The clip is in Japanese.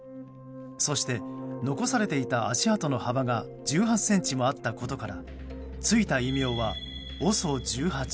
そして、残されていた足跡の幅が１８ｃｍもあったことからついた異名はＯＳＯ１８。